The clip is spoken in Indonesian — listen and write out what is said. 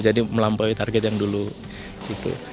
jadi melampaui target yang dulu gitu